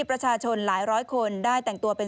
ประชาชนหลายร้อยคนได้แต่งตัวเป็น